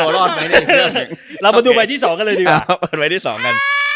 เรามาดูใบที่สองกันเลยดีกว่า